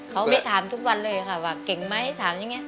เขาไม่ถามทุกวันเลยครับว่าเก่งไหมถามยังไง